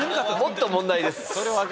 もっと問題です。